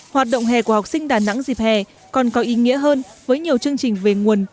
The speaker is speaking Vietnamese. hoạt động hè của học sinh đà nẵng dịp hè còn có ý nghĩa hơn với nhiều chương trình về nguồn